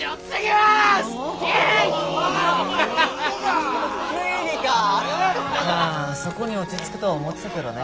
まあそこに落ち着くとは思ってたけどね。